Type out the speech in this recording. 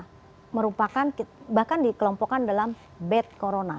yang merupakan bahkan dikelompokkan dalam bed corona